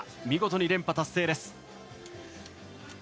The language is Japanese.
見事に連覇達成です。